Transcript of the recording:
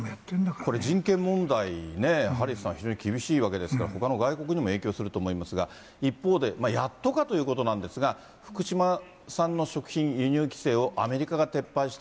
これ、人権問題ね、ハリスさん、非常に厳しいわけですから、ほかの外国にも影響すると思いますが、一方で、やっとかということなんですが、福島産の食品輸入規制をアメリカが撤廃した。